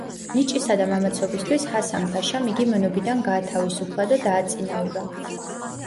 ნიჭისა და მამაცობისათვის ჰასან-ფაშამ იგი მონობიდან გაათავისუფლა და დააწინაურა.